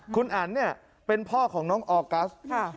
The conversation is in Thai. คุณอันเนี่ยเป็นพ่อของน้องออกัส